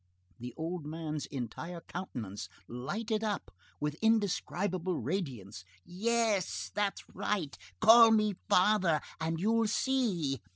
The old man's entire countenance lighted up with indescribable radiance. "Yes, that's right, call me father, and you'll see!"